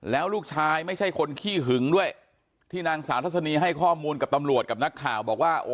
แล้วลูกชายไม่ใช่คนขี้หึงด้วยที่นางสาวทัศนีให้ข้อมูลกับตำรวจกับนักข่าวบอกว่า